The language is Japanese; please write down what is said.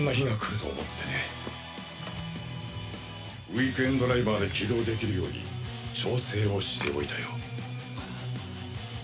ウィークエンドライバーで起動できるように調整をしておいたよ。